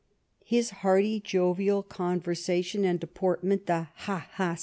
His hearty, jovial conversation and deportment, the Ha ! Ha